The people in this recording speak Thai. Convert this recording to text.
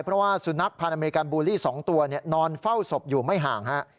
เพราะว่าสุนัขพันธ์อเมริกันบูลลี่๒ตัวนอนเฝ้าศพอยู่ไม่ห่าง